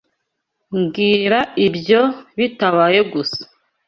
Mbwira ibyo bitabaye gusa.